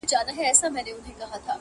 ما چي توبه وکړه اوس نا ځوانه راته و ویل,